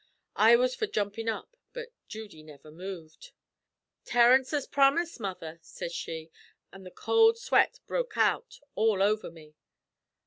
I was for jumpin' up, but Judy niver moved. "'Terence has promust, mother,' sez she, an' the cowld sweat bruk out all over me.